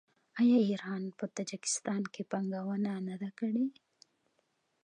آیا ایران په تاجکستان کې پانګونه نه ده کړې؟